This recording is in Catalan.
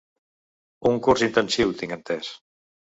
Un curs intensiu tinc entès.